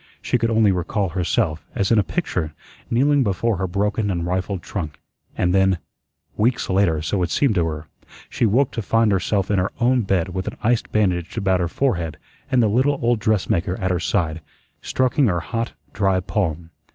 She could only recall herself, as in a picture, kneeling before her broken and rifled trunk, and then weeks later, so it seemed to her she woke to find herself in her own bed with an iced bandage about her forehead and the little old dressmaker at her side, stroking her hot, dry palm.